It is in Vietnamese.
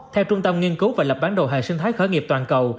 theo trung tâm nghiên cứu và lập bán đồ hệ sinh thái khởi nghiệp toàn cầu